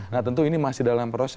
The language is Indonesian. nah tentu ini masih dalam proses